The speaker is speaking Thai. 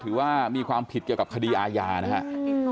ถือว่ามีความผิดเกี่ยวกับคดีอาญานะครับ